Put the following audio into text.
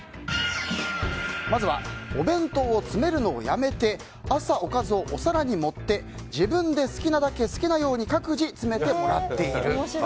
まずは、お弁当を詰めるのをやめて朝、おかずをお皿に盛って自分で好きなだけ好きなように各自詰めてもらっている。